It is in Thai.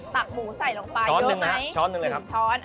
ตักหมูใส่ลงไปช้อนหนึ่งนะช้อนหนึ่งเลยครับ๑ช้อน